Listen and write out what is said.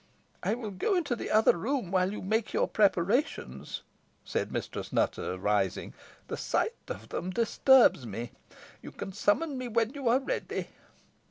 "I will go into the other room while you make your preparations," said Mistress Nutter, rising; "the sight of them disturbs me. You can summon me when you are ready."